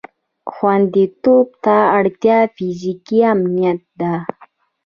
خوندیتوب ته اړتیا فیزیکي امنیت ده.